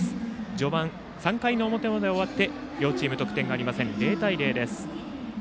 序盤、３回の表まで終わって両チーム得点なく、０対０です。